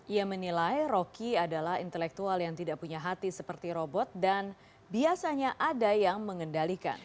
ia menilai rocky adalah intelektual yang tidak punya hati seperti robot dan biasanya ada yang mengendalikan